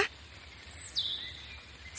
kami suku auha